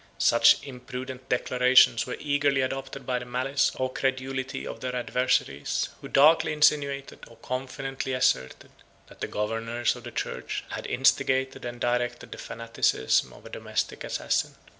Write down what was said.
132 Such imprudent declarations were eagerly adopted by the malice, or credulity, of their adversaries; 133 who darkly insinuated, or confidently asserted, that the governors of the church had instigated and directed the fanaticism of a domestic assassin.